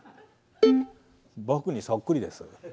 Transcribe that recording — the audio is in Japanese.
僕にそっくりです。